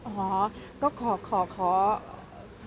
ว่าหลังนั้นก็มีแบบกระแสเปรียบเทียบกับเวอร์ชั่นที่แล้วแน่นอน